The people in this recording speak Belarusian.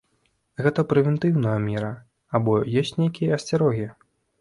Гэта прэвентыўная мера, або ёсць нейкія асцярогі?